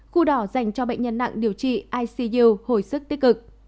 khu đỏ dành cho bệnh nhân nặng điều trị icu hồi sức tích cực